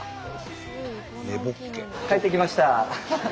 帰ってきました。